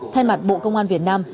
thay mặt bộ công an việt nam